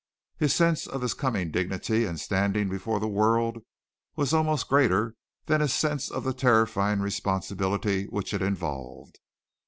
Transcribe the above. His sense of his coming dignity and standing before the world was almost greater than his sense of the terrifying responsibility which it involved.